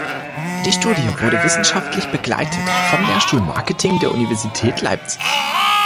Die Studie wurde wissenschaftlich begleitet vom Lehrstuhl Marketing der Universität Leipzig.